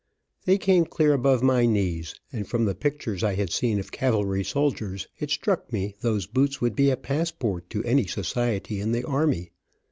They came clear above my knees, and from the pictures I had seen of cavalry soldiers, it struck me those boots would be a pass port to any society in the army.